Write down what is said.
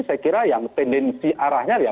saya kira yang tendensi arahnya ya